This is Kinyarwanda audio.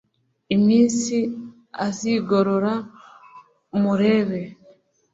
iminsi azigorora umureba